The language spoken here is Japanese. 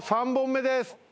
３本目です。